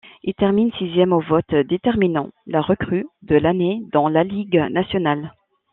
Il termine sixième au vote déterminant la recrue de l'année dans la Ligue nationale.